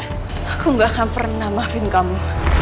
aku gak akan pernah nambahin kamu